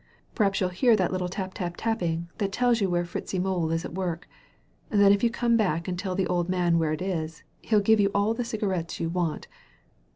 P'r'aps you'll hear that little tap tap tapping that tells where Fritzie Mole is at work. Then if you come back and tell the old man where it is, he'll give you all the cigarettes you want.